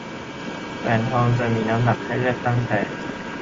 แหวนทองจะมีน้ำหนักให้เลือกตั้งแต่